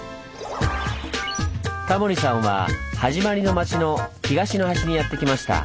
タモリさんは「はじまりの町」の東の端にやって来ました。